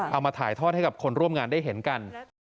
เอามาถ่ายทอดให้กับคนร่วมงานได้เห็นกัน